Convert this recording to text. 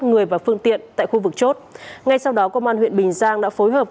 người và phương tiện tại khu vực chốt ngay sau đó công an huyện bình giang đã phối hợp